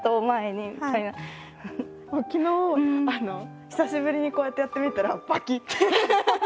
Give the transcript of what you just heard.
昨日久しぶりにこうやってやってみたらバキッて。ハハハハ！